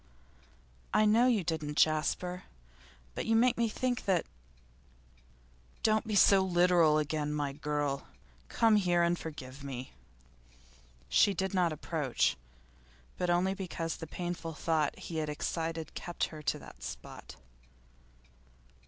'I know you didn't, Jasper. But you make me think that ' 'Don't be so literal again, my dear girl. Come here and forgive me.' She did not approach, but only because the painful thought he had excited kept her to that spot.